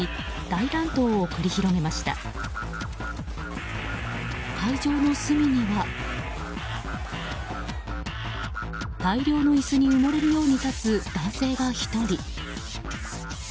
大量の椅子に埋もれるように立つ男性が１人。